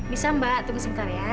bisa mbak tunggu sebentar ya